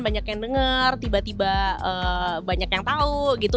banyak yang denger tiba tiba banyak yang tahu gitu